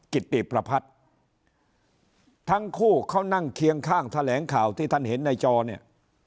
กิติประพัฒน์ทั้งคู่เขานั่งเคียงข้างแถลงข่าวที่ท่านเห็นในจอเนี่ย